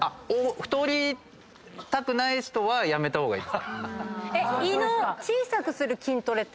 太りたくない人はやめた方がいいですね。